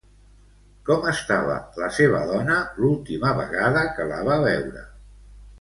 Com estava la seva dona l'última vegada que la va veure?